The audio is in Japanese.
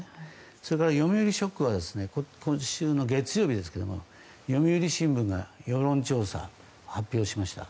それから読売ショックは今週の月曜日ですけども読売新聞が世論調査を発表しました。